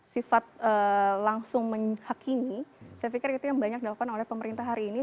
sifat langsung menghakimi saya pikir itu yang banyak dilakukan oleh pemerintah hari ini